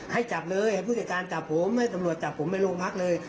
ให้จับเลยให้ผู้จัดการจับผมให้ตำรวจจับผมไปโรงพักเลย